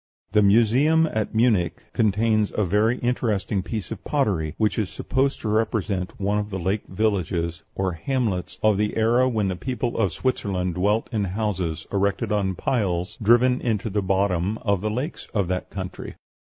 The museum at Munich contains a very interesting piece of pottery, which is supposed to represent one of the lake villages or hamlets of the era when the people of Switzerland dwelt in houses erected on piles driven into the bottom of the lakes of that country.